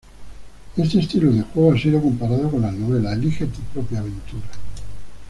Este estilo de juego ha sido comparado con las novelas "Elige tu propia aventura".